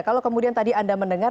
kalau kemudian tadi anda mendengar